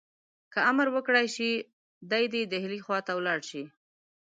که امر وکړای شي دی دي ډهلي خواته ولاړ شي.